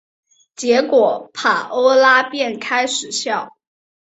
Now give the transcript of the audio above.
结果帕欧拉便开始笑。